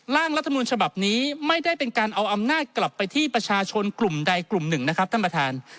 ร่างรัฐมนต์ฉบับนี้ไม่ได้เป็นการเอาอำนาจกลับไปที่ประชาชนกลุ่มใดกลุ่มหนึ่งนะครับท่านประธาน